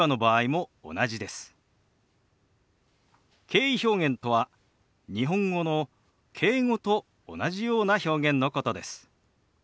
敬意表現とは日本語の「敬語」と同じような表現のことです。